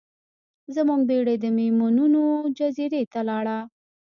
زموږ بیړۍ د میمونونو جزیرې ته لاړه.